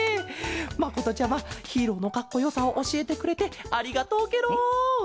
まことちゃまヒーローのかっこよさをおしえてくれてありがとうケロ。